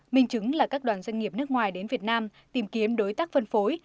minh chứng là các đoàn doanh nghiệp nước ngoài đến việt nam tìm kiếm đối tác phân phối